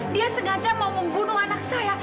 dia sengaja mau membunuh anak saya